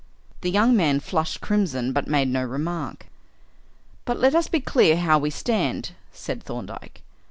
The young man flushed crimson, but made no remark. "But let us be clear how we stand," said Thorndyke.